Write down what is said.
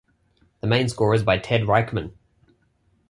The main score is by Ted Reichman.